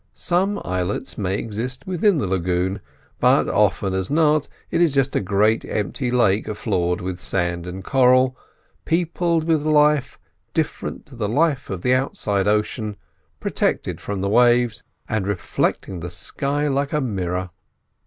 Some islets may exist within the lagoon, but as often as not it is just a great empty lake floored with sand and coral, peopled with life different to the life of the outside ocean, protected from the waves, and reflecting the sky like a mirror.